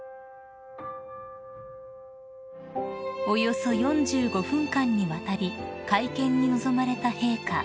［およそ４５分間にわたり会見に臨まれた陛下］